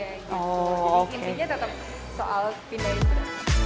jadi intinya tetap soal pindahin